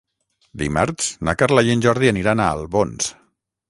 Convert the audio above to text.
Dimarts na Carla i en Jordi aniran a Albons.